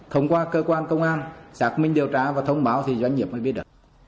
thông qua cơ quan công an xác minh điều tra và thông báo thì doanh nghiệp mới biết được